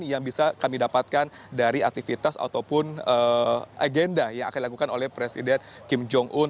yang bisa kami dapatkan dari aktivitas ataupun agenda yang akan dilakukan oleh presiden kim jong un